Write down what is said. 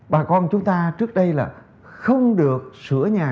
bà con chúng ta trước đây là không được sửa nhà